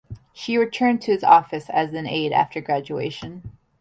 She returned to his office as an aide after graduation.